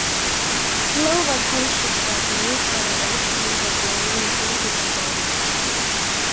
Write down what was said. Clover Township was named for the white clover growing within its borders.